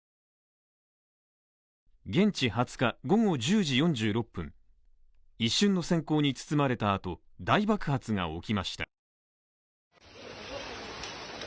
現地２０日午後１０時４６分、一瞬のせん光に包まれたあと大爆発が起きました。